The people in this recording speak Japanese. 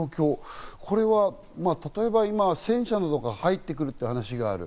例えば今、戦車などが入ってくるという話がある。